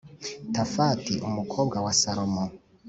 Tafati umukobwa wa Salomo